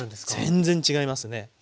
全然違いますね。